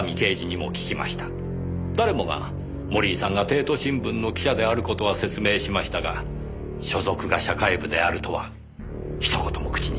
誰もが森井さんが帝都新聞の記者である事は説明しましたが所属が社会部であるとは一言も口にしていません。